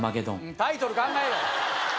タイトル考えろ